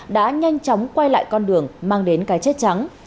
đã nhanh chóng quay lại con đường mang đến cái chết trắng